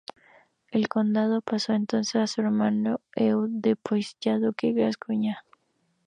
El condado pasó entonces a su hermano Eudes de Poitiers, ya duque de Gascuña.